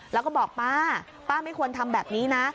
แล้วก็บอกป้าป้าไม่ควรทำแบบนี้นะ